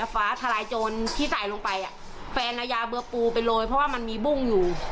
ฟ้าทลายโจรที่ใส่ลงไปแฟนเอายาเบอร์ปูไปโรยเพราะว่ามันมีบุ้งอยู่